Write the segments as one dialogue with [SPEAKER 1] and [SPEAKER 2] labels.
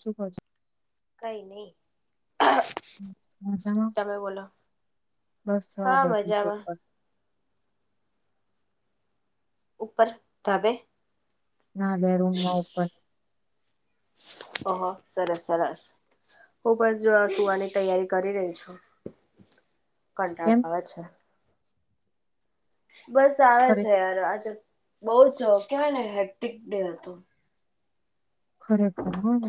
[SPEAKER 1] શુંખજ
[SPEAKER 2] ક નહી
[SPEAKER 1] મજામાં
[SPEAKER 2] તમે બોલો
[SPEAKER 1] બસ
[SPEAKER 2] હા
[SPEAKER 1] બેઠી છે
[SPEAKER 2] મજામાં
[SPEAKER 1] ઉપર.
[SPEAKER 2] ઉપર તબે
[SPEAKER 1] ના બેે રૂમમાં ઉપર.
[SPEAKER 2] ઓહ સરસ સરસ હું બસ સુવાની તૈયારી કરી રહી છું. કંટાક
[SPEAKER 1] કેમ
[SPEAKER 2] આવે છે. બસ સારા
[SPEAKER 1] ખરે
[SPEAKER 2] છે યાર આજે. બઉ જ કવાય ને હેપ્ટિક ડે હતું.
[SPEAKER 1] ખરેખર હ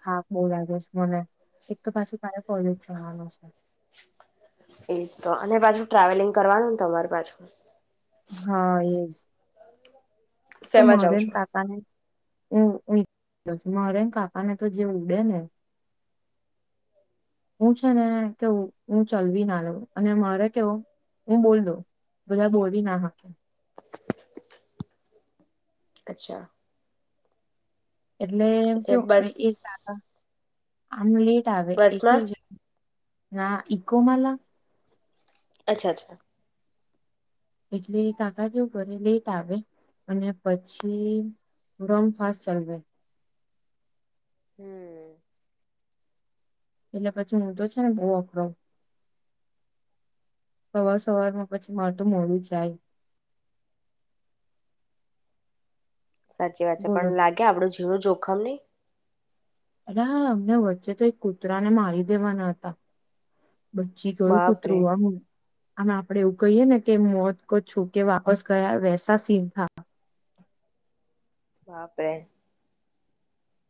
[SPEAKER 1] થા બહુ લાગે છે મને એક તો પાછું તારે કોલેજ જવાનું છે.
[SPEAKER 2] એજ તો અને પાછું ટ્રાવેલિંગ કરવાનુંને તમારે પાછું
[SPEAKER 1] હા એજ તો
[SPEAKER 2] શેમાં જાવ
[SPEAKER 1] મળે ને
[SPEAKER 2] છો
[SPEAKER 1] કાકાને હું હું ઈછ છ મારે કાકાને તો જે ઉડે ને હું છે ને કે હું ચલવી ના લઉં અને મારે કેવો હું બોલ દઉ બધા બોલવી ના હકે.
[SPEAKER 2] અચ્છા
[SPEAKER 1] એટલે એમ કે
[SPEAKER 2] એટલે બસ
[SPEAKER 1] એ સારા આમલી આવે એ કે
[SPEAKER 2] બસમાં
[SPEAKER 1] હા ઇકો માલા
[SPEAKER 2] અચ્છા અચ્છા.
[SPEAKER 1] એટલે કાકા કેવું કરે લેટ આવે અને પછી રોંગ ફાસ્ટ ચાલવે
[SPEAKER 2] હમ્મ.
[SPEAKER 1] એટલે પછી હું તો છે ને બહુ અખરાઉ. સવાર સવારમાં પછી માર તો મોડું જાય.
[SPEAKER 2] સાચી વાત છે.
[SPEAKER 1] બોલો
[SPEAKER 2] પણ લાગે આપડું જીણું જો ખમનઈ
[SPEAKER 1] અરે હાં અમને વચ્ચે તો એક કૂતરાને મારી દેવાના હતા. બચી ગયું
[SPEAKER 2] બાપરે
[SPEAKER 1] કુતરું આમુ. આમ આપડે એવું કહીએ ને કે મોત કો છુકે વાપસ ગયા વેસા સીન થા.
[SPEAKER 2] બાપરે.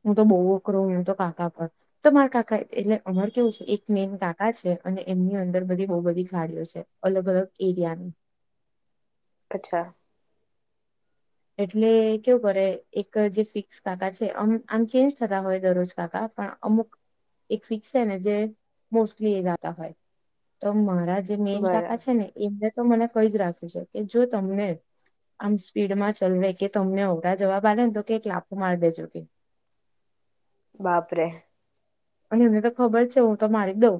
[SPEAKER 1] હું તો બહુ વકરો હ તો કાકા પર તો મારા કાકા એટલે અમાર કેવું છે એક મેન કાકા છે અને એમની અંદર બધી બહુ બધી ગાડીઓ છે અલગ અલગ એરિયાની.
[SPEAKER 2] અચ્છા.
[SPEAKER 1] એટલે કેવું કરે એક જે ફિક્સ કાકા છે આમ આમ ચેન્જ થતા હોય દરરોજ કાકા પણ અમુક એક ફિક્સ છે ને જે મોસ્ટલી એ ગાતા હોય તોમ માં રા જે મેન
[SPEAKER 2] બરા
[SPEAKER 1] કાકા છે ને એમને તો મને કઈ જ રાખ્યું છે કે જો તમને આમ સ્પીડમાંજ ચલને કે તમને ઓવડા જવાબ આલે ને તો કે એક લાફો મારી દેજો કે.
[SPEAKER 2] બાપરેે.
[SPEAKER 1] અને એમને તો ખબર છે હું તો મારી દઉં.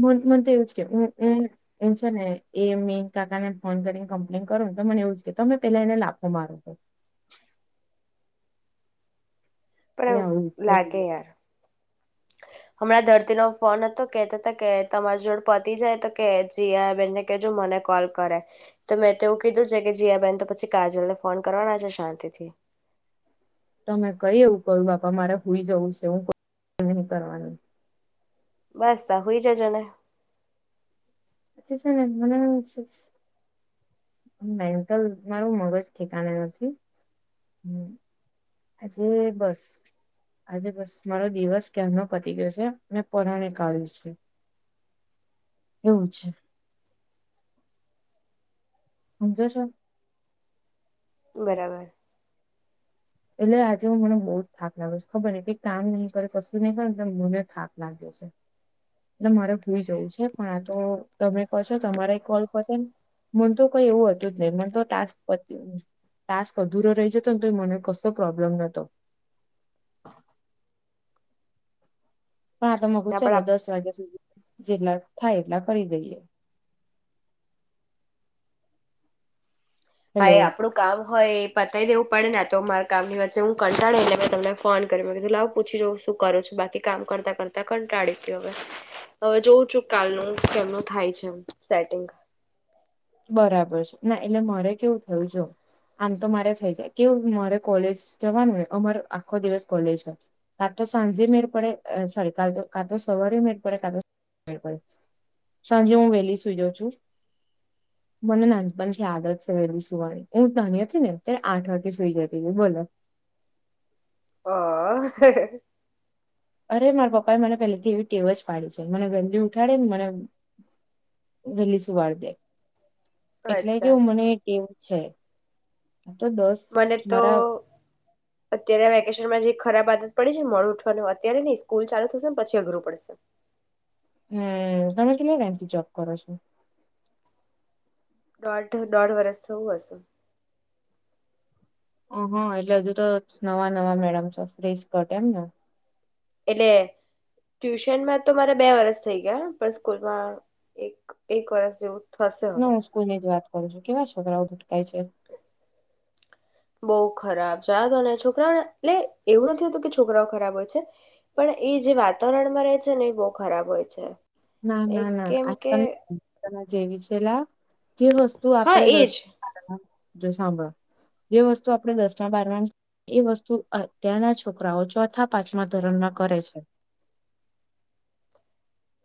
[SPEAKER 1] મન મને તો એવું છ છે હું હું હુંજ છે ને એ મેં કાકાને ફોન કરીને કમ્પ્લેન કરો ને તો મને એવું જ કે તમે પેલા એને લફો મારો કે
[SPEAKER 2] પણ
[SPEAKER 1] આવું જ છે
[SPEAKER 2] લા
[SPEAKER 1] બધું.
[SPEAKER 2] કે રા. હમણાં ધરતીનો ફોન હતો કેતા તા કે તમારી જોડે પતિ જાય તો કે જિયાબેનને કજો મને કોલ કરે તો મેં તેવું કીધું છે કે જિયાબેન તો પછી કાજલને ફોન કરવાના છે શાંતિથી.
[SPEAKER 1] તમે કઈ એવું કહ્યું બાપા મારે હોઈ જવું છે. હું નહી કરવાનું.
[SPEAKER 2] બસ તો હોઈ જજોને.
[SPEAKER 1] પછી છે ને હું હુઈ જઈશ. મેન્ટલ મારું મગજ થેકાને નથી. આજે બસ આજે બસ મારો દિવસ કેમનો પતી ગયો છે મેં પરાને કાઢ્યું છે. એવું છે. ઉગતો છે?
[SPEAKER 2] બરાબર.
[SPEAKER 1] એટલે આજે હું મને બહુ જ થાક લાગ્યો છે ખબર ને કઈ કામ નહીં કરે કશું નહીં કરે એટ મને થાક લાગે છે. એટલે મારે સૂઈ જવું છે પણ આ તો તમે કહો છો તમારા કોલ પતેને મન તો કઈ એવું હતું જ નહી મને તો ટાસ્ક ટાસ્ક અધુરો રહી જતો ને તો મને કસ સો પ્રોબ્લેમ નતો. પણ આ તો મકું
[SPEAKER 2] ના
[SPEAKER 1] ચાલ
[SPEAKER 2] પણ
[SPEAKER 1] દસ વાગ્યા સુધી જેટલા થાય એટલા કરી દઈએ.
[SPEAKER 2] હા
[SPEAKER 1] હેલો
[SPEAKER 2] એ આપડું કામ હોય એ પાછ બતાઈ દેવું પડે ને તો મારા કામની વચ્ચે હું કંટાળે એટલે તમને ફોન કરું પૂછી જઉ શું કરું છું બાકી કામ કરતા કરતા કંટાળ્યું હવે હવે જોઉ છું કાલનું કેમનું થાય છે સેટિંગ.
[SPEAKER 1] બરાબર છે ના એટલે મારે કેવું થયું જો આમ તો મારે થઈ જાય કેવું મારે કોલેજ જવાની ને અમારે આખો દિવસ કોલેજ હોય. કા તો સાંજે મેર પડે સોરી કા તો સવારે મે પડે કા તો મે પડે સાંજે હું વહેલી સુઈ જાઉ છું. મને નાનપણ થી આદત છે વેલી સુવાની. હું નાની હતી ને આઠ વાગે સુઈ જતી હતી બોલો.
[SPEAKER 2] હા.
[SPEAKER 1] અરે મારા પપ્પા એ મને પહેલેથી એવી ટેવ જ પાડી છે મને વહેલી ઉઠાડે ને મને વહેલી સુવાળ દે. એટલે
[SPEAKER 2] અચ્છા
[SPEAKER 1] કેવું મને કે છે. આ તો દસ
[SPEAKER 2] મને તો
[SPEAKER 1] મારા
[SPEAKER 2] અત્યારે વેકેશનમાં જે ખરાબ આદત પડી છે મોડુ ઉઠવાનું અત્યારે નહી સ્કૂલ ચાલુ થશે ને પછી અઘરું પડશે.
[SPEAKER 1] હમ તમે કે એમથી જબ કરો છો.
[SPEAKER 2] દોઢ દોઢ વર્ષ થવુ હશે.
[SPEAKER 1] ઓ હા એટલે હજુ તો નવા નવા મેડમો ફિસ્કટ એમને
[SPEAKER 2] એટલે ટ્યુશનમાં તો મારા બે વરસ થઈ ગયા પણ સ્કૂલમાં એક એક વરસ જેવું. થશે હવે
[SPEAKER 1] ના સ્કૂલ ની જ વાત કરું છું કેવા છોકરાઓ ભૂટકાય છે.
[SPEAKER 2] બહુ ખરાબ છે આ તો ને છોકરાઓને એટલે એવું નથી હોતું કે છોકરાઓ ખરાબ હોય છે પણ એ જે વાતાવરણમાં રહે છે ને એ બહ ખરાબ હોય છે.
[SPEAKER 1] ના
[SPEAKER 2] એ
[SPEAKER 1] ના ના
[SPEAKER 2] કેમ કે
[SPEAKER 1] આજકાલ જેવી છેલા જે વસ્તુ
[SPEAKER 2] હા
[SPEAKER 1] આપડે દસ
[SPEAKER 2] એજ
[SPEAKER 1] જો સાંભળો જે વસ્તુ [unintelligible] દસમા બારમા એ વસ્તુ અત્યારના છોકરાઓ ચોથા પાંચમા ધરણ ના કરે છે.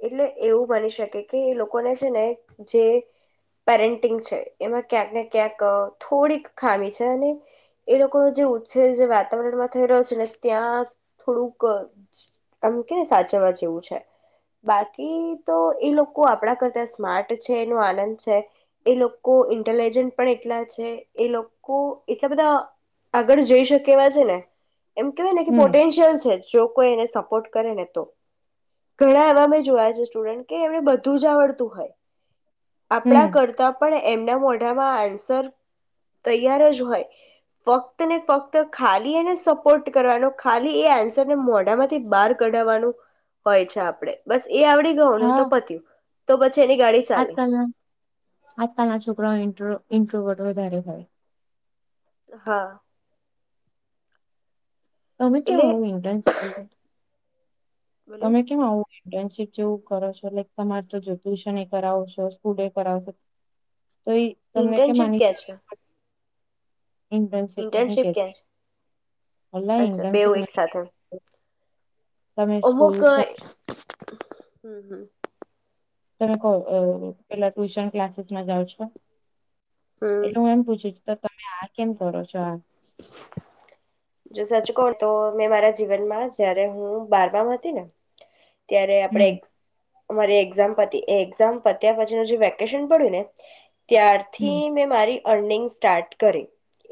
[SPEAKER 2] એટલે એવું બની શકે કે એ લોકોને છે ને જે પેરેન્ટિંગ છે એમાં ક્યાંક ને ક્યાંક થોડીક ખામી છે અને એ લોકોનો જે ઉછેર જે વાતાવરણમાં થઈ રહ્યો છે ને ત્યાં થોડુંક આમ કે ને સાચવવા જેવું છે. બાકી તો એ લોકો આપણા કરતા સ્માર્ટ છે એનો આનંદ છે એ લોકો ઇન્ટેલિજન્ટ પણ એટલા છે એ લોકો એટલા બધા આગળ જઈ શકે એવા છે ને? એમ કેહેવા ને કે
[SPEAKER 1] હમ
[SPEAKER 2] પોટેન્શિયલ છે જ. જો કોઈ એને સપોર્ટ કરે ને તો ઘણા જોયા છે સ્ટુડન્ટ કે એમને બધું જ આવડતું હોય. આપણા
[SPEAKER 1] હમ.
[SPEAKER 2] કરતા પણ એમના મોઢામાં આન્સર તૈયાર જ હોય ફક્ત ને ફક્ત ખાલી એને સપોર્ટ કરવાનો ખાલી એ આન્સરને મોઢામાંથી બહાર કઢવાનું હોય છે આપણેે? એ આવડી ગયો ને તો પત્યું તો બસ
[SPEAKER 1] આજકાલ ના આજકાલ ના છોકરાઓ એન્ટ્ર ઇન્ટરોવટ વધારે ભાઈ
[SPEAKER 2] હા
[SPEAKER 1] હવે
[SPEAKER 2] એટલે
[SPEAKER 1] કેવું હું [inaudible]
[SPEAKER 2] બોલો
[SPEAKER 1] તમે કેમ આવું ઇન્ટર્નશીપ જેવું કરો છો લાઈક તમારે તો જો ટ્યુશન એ કરાવ છો સ્કૂલ એ કરાવશો તો એ તમને કેમ
[SPEAKER 2] ઇન્ટર્નશીપ
[SPEAKER 1] આની
[SPEAKER 2] ક્યાં
[SPEAKER 1] જરુર
[SPEAKER 2] છે
[SPEAKER 1] પડી ઇન્ટર્નશિપ નહી
[SPEAKER 2] ઇન્ટર્નશીપ
[SPEAKER 1] કેતી
[SPEAKER 2] ક્યાં છે
[SPEAKER 1] અલ્લા
[SPEAKER 2] અચ્છા બેવ
[SPEAKER 1] ઇન્ટર્નશિપ
[SPEAKER 2] એક
[SPEAKER 1] નહી
[SPEAKER 2] સાથે
[SPEAKER 1] કેતી
[SPEAKER 2] અમુક હમ હમ
[SPEAKER 1] તમે કો પેલા ટ્યુશન ક્લાસીસમાં જાઓ છો
[SPEAKER 2] હમ
[SPEAKER 1] એટલે હું એમ પૂછું છું તો તમે આ કેમ કરો છો આ
[SPEAKER 2] જો સાચું કહું ને તો મેં મારા જીવનમાં જયારે હું બારમા હતી ને ત્યારે આપણે
[SPEAKER 1] હમ
[SPEAKER 2] એ અમારી એક્ઝામ પ એઝામ પત્યા પછી ન જે વેકેશન પડ્યું ને ત્યારથી
[SPEAKER 1] હમ
[SPEAKER 2] મેં મારી અર્નિંગ સ્ટાર્ટ કરી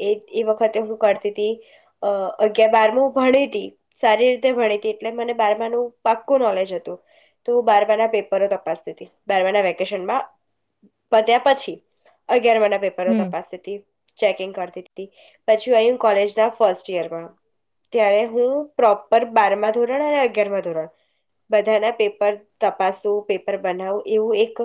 [SPEAKER 2] એ એ વખતે હું કરતી ત અગાર બારમ ભણી હતી સારી રીતે ભણી એટલે મને બારમાનું પાક કોલે છે. તો બાર વાર ના પેપરો તપાસતી હતી. બારવાના વેકેશનમાં બત્યા પછી અગ પેપરો
[SPEAKER 1] હમ
[SPEAKER 2] તપાસી ચેકિંગ કર પછી કોલેજ ના ફસ્ટ યરમાં ત્યારે હું પ્રોપર બાર ધોરણ અને અગાર ધોરણ બધાના પેપર તપાસું પેપર બનાવું એવું એક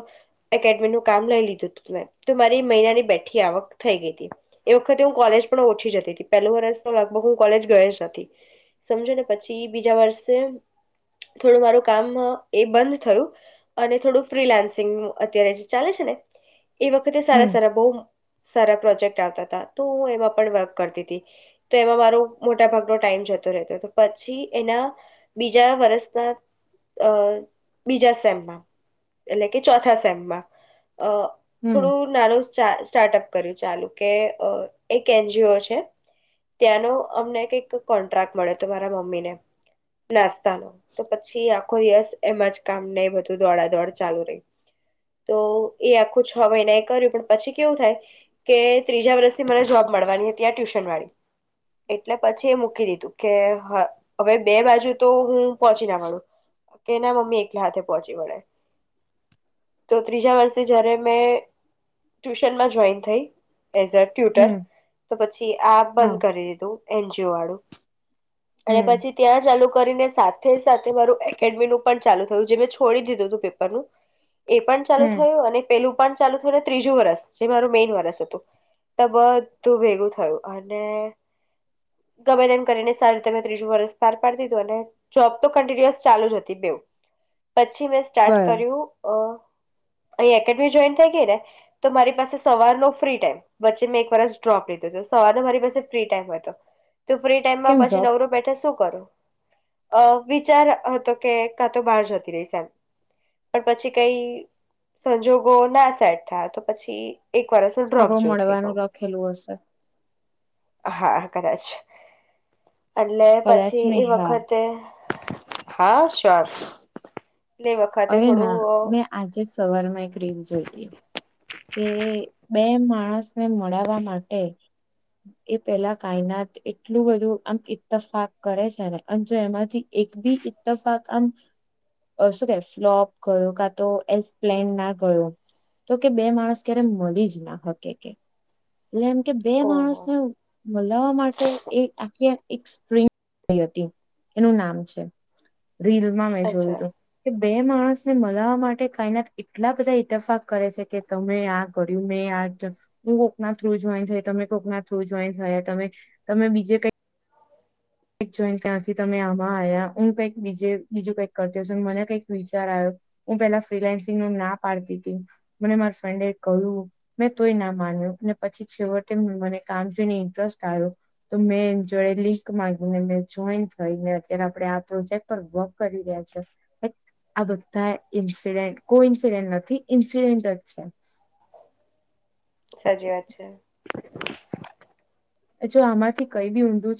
[SPEAKER 2] એકેડેમીનુંું કામ લઈ લીધું હતું મેં તો મારી મહિનાની બેઠી આવક થઈ ગઈ હતી એ વખતે હું કોલેજ પણ ઓછી જતી હતી પેલું વર્ષ તો લગભગ હું કોલેજ ગયો જ નથી સમજો ને પછી બીજા વર્ષે થોડું મારું કામ એ બંધ થયું અને થોડું ફ્રીલાન્સિંગ અત્યારે જે ચાલે છે ને એ વખતે સારા
[SPEAKER 1] હમ
[SPEAKER 2] સારા બહ સારા પ્રોજેક્ટ આવતા હતા તો હું એમાં પણ વર્ક કરતી હતી તો એમાં મારો મોટા ભાગનો ટાઈમ જતો રહેતો તો પછી એના બીજા વર્ષ અ બીજા સેમમાં એટલે કે ચોથા સેમમાં અ
[SPEAKER 1] હમ
[SPEAKER 2] થોડું નાનુ સ્ટાર્ટઅપ કર્યું ચાલુ કે એક એનજીઓ છે ત્યાંનો અમને કોન્ટ્રાક્ટ મળ્યો હતો મારા મમ્મીને નાસ્તાનો તો પછી આખો દિવસ એમાં જ કામને બધું દોડા દોડ ચાલુ રહી તો એ આખું છ મહિના એ કર્યું પણ પછી કેવું થાય કે ત્રીજા વર્ષથી મને જોબ મળવાની હતી આ ટ્યુશન વાળી એટલે પછી એ મૂકી દીધું કે હવે બે બાજુ તો હું પહોંચી ના મળું કે ના મમ્મી એકલા હાથે પહોંચી વળે તો ત્રીજા વર્ષે જયારે મેં ટ્યુશનમાં જોઈન થઈ એઝ અ ટ્યુટર
[SPEAKER 1] હમ
[SPEAKER 2] તો પછી આ
[SPEAKER 1] હા
[SPEAKER 2] બંધ કરી દીધું. એન્જીઓ વાળું અને
[SPEAKER 1] હમ
[SPEAKER 2] પછી ત્યાં ચાલુ કરીને સાત સાથે મારું એકેડમીનું પણ ચાલુ થયું જે મેં છોડી દીધું હતું પેપરનું એ પણ ચાલુ
[SPEAKER 1] હમ
[SPEAKER 2] થયું અને પેલું પણ ચાલુ થયુંને ત્રીજું વરસ જે મારું મેઈન વરસ હતું તો બધું ભેગું થયું અને ગમે તે એમ કરીને સારીતે મે ત્રીજું વરસ પાર પાડી દીધું અને જોબ તો કન્ટિન્યુઅસ ચાલુ જ હતી બેવ પછી મેં સ્ટાર્ટ
[SPEAKER 1] બરાબર
[SPEAKER 2] કર્યું અ અહીં એકેડેમી જોઈન થઈ ગઈ ને તો મારી પાસે સવારનો ફ્રી ટાઈમ વચ્ચે મેં એક વરસ ડ્રોપ લીધો હતો સવારનો મારી પાસે ફ્રી ટાઈમ હોય હતો. તું ફ્રી ટાઈમમાં
[SPEAKER 1] કેમ
[SPEAKER 2] પછી
[SPEAKER 1] ડ્રોપ
[SPEAKER 2] નવરો બેઠે શું કરું. અ વિચાર હતો કે કા તો બહાર જતી રહીશ એમ પણ પછી કઈ સંજોગો ના સેટ થાય તો પછી એક વારસ ડ્રોપ
[SPEAKER 1] આપણું
[SPEAKER 2] જેવું થઇ ગયો.
[SPEAKER 1] મળવાનું લખેલું હશે
[SPEAKER 2] હા કદાચ એટલે
[SPEAKER 1] કદાચ
[SPEAKER 2] પછી
[SPEAKER 1] નહી
[SPEAKER 2] એ
[SPEAKER 1] હા
[SPEAKER 2] વખત હે [inaudible] હા શ્યોર. એટલે એ વખતે
[SPEAKER 1] અરે ના
[SPEAKER 2] થોડું
[SPEAKER 1] મેં આજે સવારમાં એક રીન જોઈતી. કે બે માણસને મળવા માટે એ પેલા કાયનાત એટલું બધું આમ ઈતફાક કરે છે ને અને જો એમાંથી એક બી ઇતફાક આમ સો ફલોપ ગયો કા તો એપ્લે ના ગયો તો એક બે માણસ ક્યારે મળી જ ના હકે કે. એટલે એમ કે બે
[SPEAKER 2] ઓહો
[SPEAKER 1] માણસને મલાવા માટે એ આખી એક્રી હતી એનું નામ છે. રીલમાં મેં જોયું
[SPEAKER 2] અચ્છા
[SPEAKER 1] હતું કે બે એ માણસ ને મળવા માટે કાયનાત એટલા બધા ઇતફાક કરે છે. કે તમે આ કર્યું મે આ હું કોકના જોઈ થઈ તમે કોકના થ્રુ જોઈ થયા તમે તમે બીજે કઈ જોઈ ત્યાંથી તમે આમાં આવ્યા હું કઈક બીજે બીજું કઈક કરતી છ મને કઈક વિચાર આવ્યો હું પેલા ફ્રીલાન્સિંગ ન ના પાડતી હતી મને મારા ફ્રેન્ડે કહ્યું મેં તોય ના માન્યો અને પછી છેવટે મને કામ જોઈને ઇન્ટરેસ્ટ આવ્યો તો મેં જોડે લિંક માગી જોઈન થઈને અત્યારે આપડે આ પ્રોજેક્ટ પર વર્ક કરી રહ્યા છે આ બધા ઇન્સિડેન્ટ કોઈ ઇન્સિડેન્ટ નથી ઇન્સિડેન્ટ જ છે.
[SPEAKER 2] સાચી વાત છે. [inaudible]
[SPEAKER 1] જો આમાંથી કઈ બી ઊંધું.